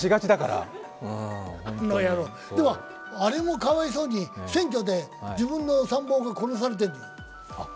このやろう、あれもかわいそうに、選挙で自分の参謀が殺されてるのよ。